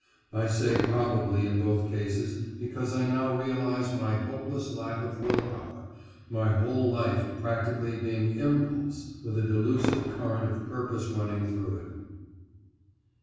I say probably in both cases because I now realize my hopeless lack of will power, my whole life practically being impulse with a delusive current of purpose running through it.